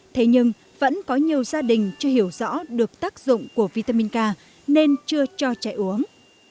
thế nhưng vẫn có nhiều gia đình chưa hiểu rõ được tác dụng của vitamin k nên chưa cho trẻ uống